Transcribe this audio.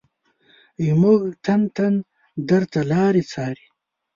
زمونږ تن تن درته لاري څاري